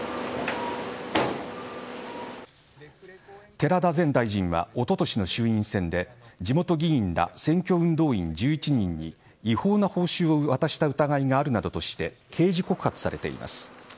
寺田前大臣はおととしの衆院選で地元議員ら選挙運動員１１人に違法な報酬を渡した疑いがあるなどして刑事告発されています。